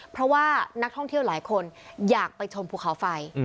เพราะว่านักท่องเที่ยวหลายคนอยากไปชมภูเขาไฟ